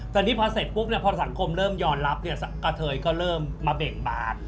แต่นี่พอเสร็จปุ๊บพอสังคมเริ่มยอมรับเนี่ยกะเทยก็เริ่มมาเบ่งบาน